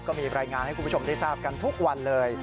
ก็มีรายงานให้คุณผู้ชมได้ทราบกันทุกวันเลย